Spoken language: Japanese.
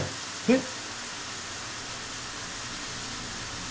えっ？